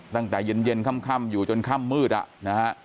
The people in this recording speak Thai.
ตั้งแต่เย็นค่ำอยู่จนค่ำมืดอ่ะนะฮะ